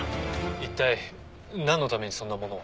一体なんのためにそんなものを？